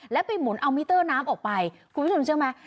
แล้วไปหมุนเอามิเตอร์น้ำออกไปคุณผู้ชมเชื่อไหม